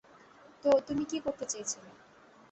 তো, তুমি কী করতে চেয়েছিলে?